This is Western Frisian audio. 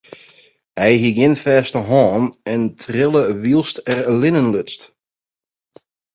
Hy hie gjin fêste hân en trille wylst er linen luts.